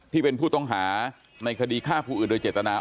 ที่เป็นผู้ต้องหาในคดีฆ่าผู้อื่นโดยเจตนา